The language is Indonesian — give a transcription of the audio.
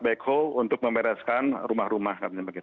eko untuk membedaskan rumah rumah